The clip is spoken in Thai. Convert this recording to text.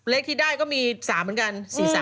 เลขที่ได้ก็มี๓เหมือนกัน